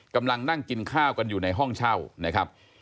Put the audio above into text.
กำลังนั่งกินข้าวกันอยู่ในห้องเช่านะครับ